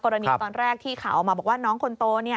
ตอนแรกที่ข่าวออกมาบอกว่าน้องคนโต